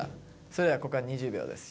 それではここから２０秒です。